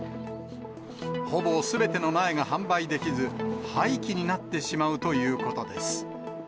ほぼすべての苗が販売できず、廃棄になってしまうということです。